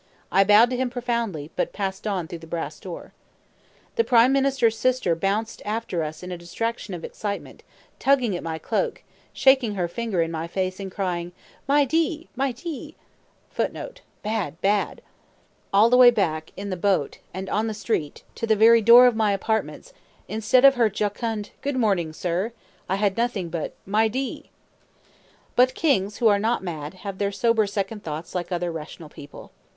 I bowed to him profoundly, but passed on through the brass door. The prime minister's sister bounced after us in a distraction of excitement, tugging at my cloak, shaking her finger in my face, and crying, "My di! my di!" [Footnote: "Bad, bad!"] All the way back, in the boat, and on the street, to the very door of my apartments, instead of her jocund "Good morning, sir," I had nothing but my di. But kings, who are not mad, have their sober second thoughts like other rational people.